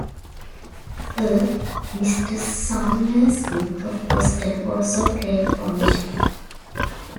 A Mr. Sumner Smith of Boston also claimed ownership.